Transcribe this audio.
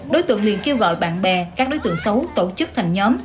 đối tượng liền kêu gọi bạn bè các đối tượng xấu tổ chức thành nhóm